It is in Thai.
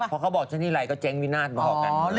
พอเขาบอกฉันนี่ไรก็เจ๊งวินาศบอกกัน